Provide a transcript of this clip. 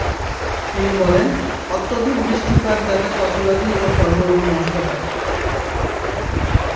তিনি বলেন, অত্যধিক বৃষ্টিপাত যাতে ফসলাদি ও ফলমূল বিনষ্ট হয়।